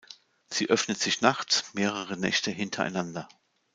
Sie öffnet sich nachts, mehrere Nächte hintereinander.